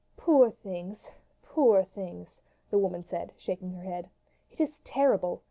"Poor things! Poor things!" the woman said, shaking her head. "It is terrible!